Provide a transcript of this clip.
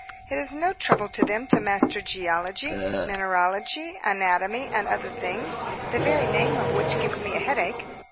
It is no trouble to them to master geology, mineralogy, anatomy, and other things, the very name of which gives me a headache.